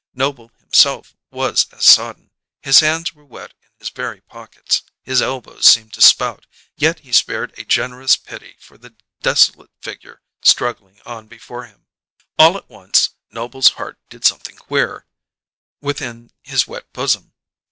Noble himself was as sodden; his hands were wet in his very pockets; his elbows seemed to spout; yet he spared a generous pity for the desolate figure struggling on before him. All at once Noble's heart did something queer within his wet bosom.